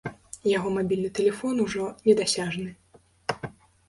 Яго мабільны тэлефон ужо недасяжны.